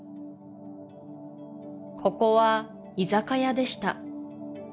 ここは居酒屋でした